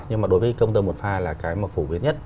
nhưng mà đối với công tơ một pha là cái mà phổ biến nhất